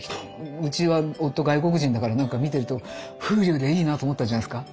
うちは夫外国人だからなんか見てると風流でいいなと思ったんじゃないですか。